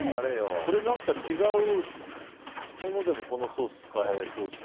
違うものでもこのソース使えそうですね。